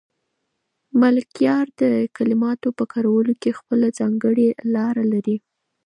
ملکیار د کلماتو په کارولو کې خپله ځانګړې لار لري.